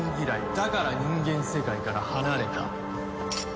だから人間世界から離れた。